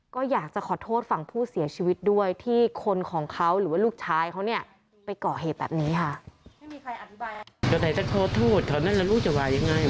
ก็อยากจะขอโทษฝั่งผู้เสียชีวิตด้วยที่คนของเขาหรือว่าลูกชายเขาเนี่ยไปก่อเหตุแบบนี้ค่ะ